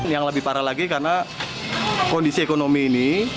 yang lebih parah lagi karena kondisi ekonomi ini